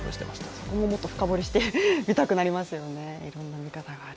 そこももっと深掘りしてみたくなりますよね、ろんな見方がある。